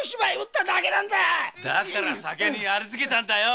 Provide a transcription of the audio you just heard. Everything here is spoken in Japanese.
だから酒にありつけたんだよ。